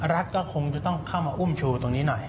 รัฐก็คงจะต้องเข้ามาอุ้มชูตรงนี้หน่อย